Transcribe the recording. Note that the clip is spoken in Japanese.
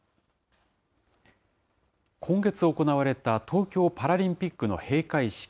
今月行われた東京パラリンピックの閉会式。